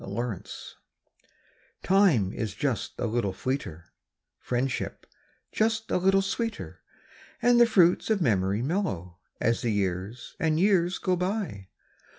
A597234 IME is "just a little fleeter; priendship just a little sweeter; And the jruits of memoru mellcrcO ' I As the Ljears and Ejears ao btj.